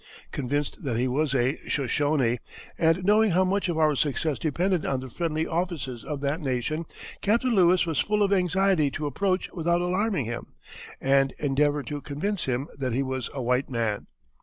Convinced that he was a Shoshonee, and knowing how much of our success depended on the friendly offices of that nation, Captain Lewis was full of anxiety to approach without alarming him, and endeavor to convince him that he was a white man.